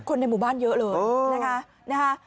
ในหมู่บ้านเยอะเลยนะคะ